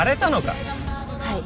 はい。